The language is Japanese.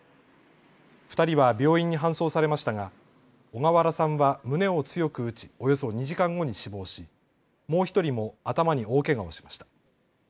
２人は病院に搬送されましたが小河原さんは胸を強く打ちおよそ２時間後に死亡しもう１人も頭に大けがをしました。